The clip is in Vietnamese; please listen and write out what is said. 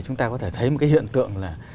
chúng ta có thể thấy một cái hiện tượng là